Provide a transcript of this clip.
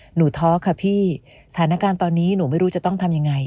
ท้อค่ะพี่สถานการณ์ตอนนี้หนูไม่รู้จะต้องทำยังไง